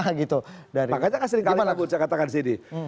makanya kan sering kali saya katakan di sini